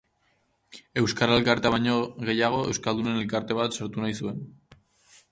Euskara elkartea baino gehiago, euskaldunon elkarte bat osatu nahi zen.